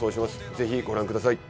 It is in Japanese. ぜひご覧ください